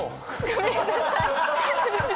ごめんなさい。